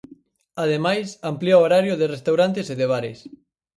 Ademais, amplía o horario de restaurantes e de bares.